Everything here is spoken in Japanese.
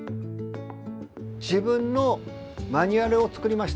自分のマニュアルを作りました。